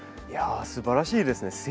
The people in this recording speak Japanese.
いやすばらしいですね。